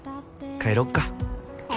帰ろっか。